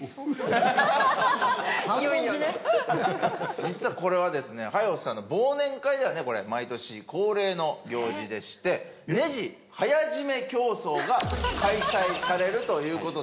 実はこれはですねハイオスさんの忘年会ではね毎年恒例の行事でしてネジ早締め競争が開催されるという事で。